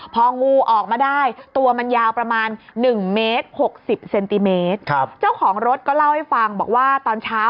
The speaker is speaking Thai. พองูออกมาได้ตัวมันยาวประมาณหนึ่งเมตรหกสิบเซนติเมตรครับเจ้าของรถก็เล่าให้ฟังบอกว่าตอนเช้า